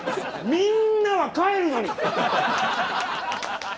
みんなは帰るのに！